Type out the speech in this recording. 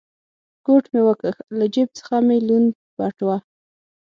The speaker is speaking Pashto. کوټ مې و کښ، له جېب څخه مې لوند بټوه.